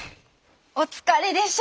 お疲れでしょう。